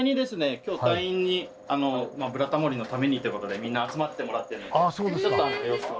今日隊員に「ブラタモリ」のためにということでみんな集まってもらってるのでちょっと様子を。